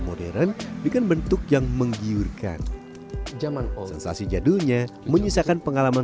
modern dengan bentuk yang menggiurkan zaman sensasi jadulnya menyisakan pengalaman